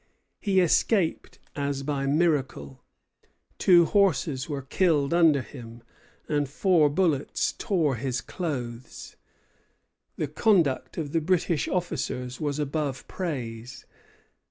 He escaped as by miracle. Two horses were killed under him, and four bullets tore his clothes. The conduct of the British officers was above praise.